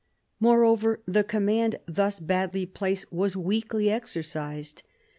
Moreover, the command thus badly placed was weakly exercised.